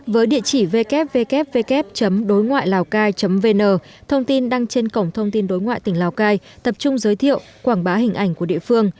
với địa chỉ www doi ngoai laocai vn thông tin đăng trên cổng thông tin đối ngoại tỉnh lào cai tập trung giới thiệu quảng bá hình ảnh của địa phương